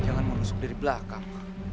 jangan mau nusuk dari belakang